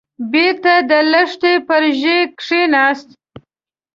بېرته د لښتي پر ژۍ کېناست.